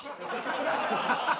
ハハハ。